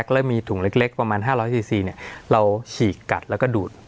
แล้วมีถุงเล็กเล็กประมาณห้าร้อยซีซีเนี้ยเราฉีกกัดแล้วก็ดูด